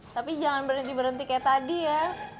tapi jangan berhenti berhenti kayak tadi ya